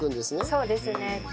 そうですね。